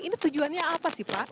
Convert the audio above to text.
ini tujuannya apa sih pak